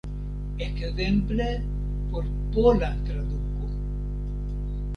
Ekzemple por pola traduko.